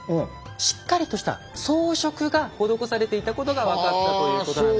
しっかりとした装飾が施されていたことが分かったということなんです。